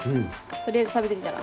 取りあえず食べてみたら？